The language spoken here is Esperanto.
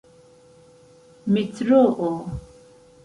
metroo